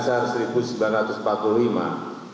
saya pada kesempatan yang terbahagia ini mengucapkan terima kasih